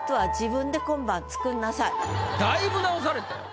そしてだいぶ直されたよ。